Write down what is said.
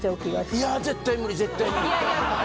いや絶対無理絶対無理。